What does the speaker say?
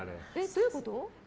どういうこと？